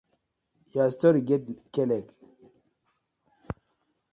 Your story get k-leg!